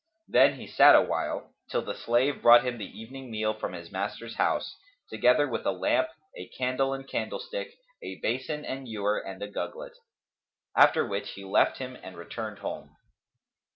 Then he sat awhile, till the slave brought him the evening meal from his master's house, together with a lamp, a candle and candlestick, a basin and ewer and a gugglet[FN#269]; after which he left him and returned home.